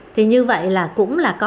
thì như vậy là cũng là cái thuốc này